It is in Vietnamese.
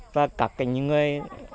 và các người